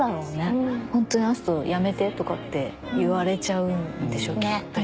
ほんとにあの人やめてとかって言われちゃうんでしょうきっと。